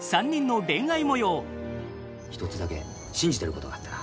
一つだけ信じていることがあってな。